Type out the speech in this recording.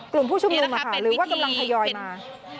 กลุ่มผู้ชุมนุมหรือว่ากำลังทยอยมา